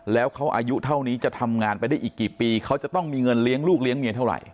แล้วเขาอายุเท่านี้จะทำงานไปได้อีกกี่ปีเขาจะต้องมีเงินเลี้ยงลูกเลี้ยงเมียเท่าไหร่